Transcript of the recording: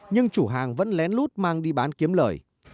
nhưng chủ hàng vẫn lén lút mang đi bán kiếm lời